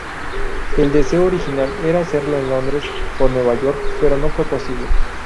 El deseo original era hacerlo en Londres o Nueva York, pero no fue posible.